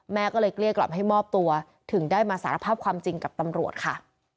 แม่ก็เลยเกลี้ยกล่อมให้มอบตัวถึงได้มาสารภาพความจริงกับตำรวจค่ะ